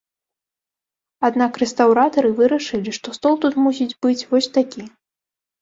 Аднак рэстаўратары вырашылі, што стол тут мусіць быць вось такі.